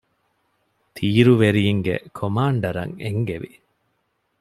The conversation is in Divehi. ތީރުވެރީންގެ ކޮމާންޑަރަށް އެންގެވި